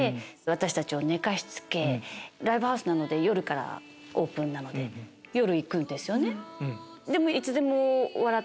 私たちを寝かしつけライブハウスなので夜からオープンで夜行くんです。